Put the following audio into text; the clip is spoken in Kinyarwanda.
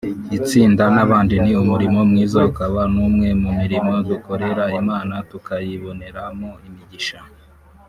itsinda n’abandi) ni umurimo mwiza ukaba n’umwe mu mirimo dukorera Imana tukayiboneramo imigisha